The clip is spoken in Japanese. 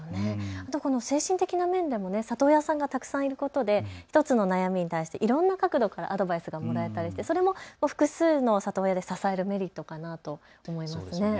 精神的な面でも里親さんがたくさんいることで１つの悩みに対していろんな角度からアドバイスがもらえたりしてそれが複数の里親で支えるメリットかなと思います。